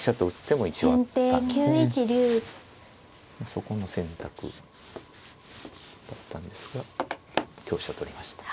そこの選択だったんですが香車を取りました。